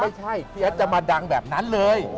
ไม่ใช่พี่แอดจะมาดังแบบนั้นเลย